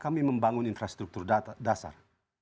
kami membangun infrastruktur dasar